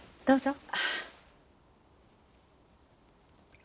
どうぞ。